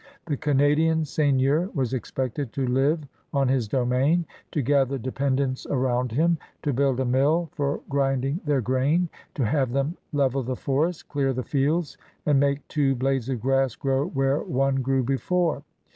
The Canadian seigneur was expected to live on his domain, to gather dependents around him, to build a mill for grinding 14S CRUSADERS OF NEW FRANCE their grain, to have them levd the forest, dear the fields, and make two blades of grass grow where one grew before.